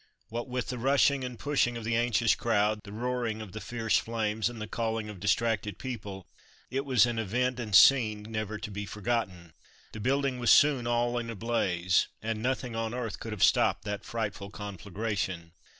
What with the rushing and pushing of the anxious crowd, the roaring of the fierce flames, and the calling of distracted people, it was an event and scene never to be forgotten. The building was soon all in a blaze, and nothing on earth could have stopped that frightful conflagration.